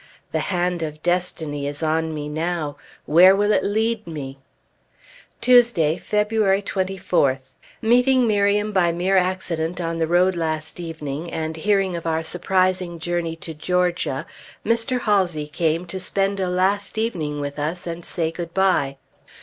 The hand of Destiny is on me now; where will it lead me? Tuesday [February] 24th. Meeting Miriam by mere accident on the road last evening and hearing of our surprising journey to Georgia, Mr. Halsey came to spend a last evening with us, and say good bye.